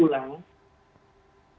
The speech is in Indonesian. bertemu dengan masyarakat